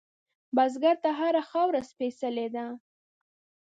بزګر ته هره خاوره سپېڅلې ده